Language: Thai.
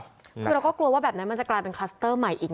คือเราก็กลัวว่าแบบนั้นมันจะกลายเป็นคลัสเตอร์ใหม่อีก